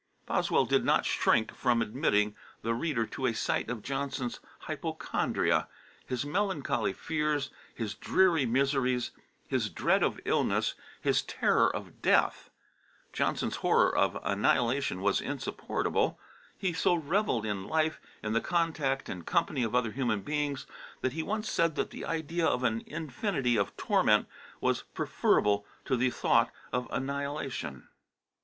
Boswell did not shrink from admitting the reader to a sight of Johnson's hypochondria, his melancholy fears, his dreary miseries, his dread of illness, his terror of death. Johnson's horror of annihilation was insupportable. He so revelled in life, in the contact and company of other human beings, that he once said that the idea of an infinity of torment was preferable to the thought of annihilation.